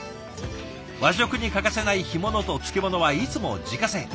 和食に欠かせない干物と漬物はいつも自家製。